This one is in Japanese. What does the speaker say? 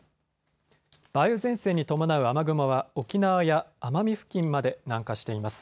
梅雨前線に伴う雨雲は沖縄や奄美付近まで南下しています。